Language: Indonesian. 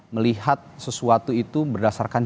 melihat sesuatu itu berdasarkan